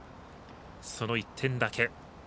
その１点だけ。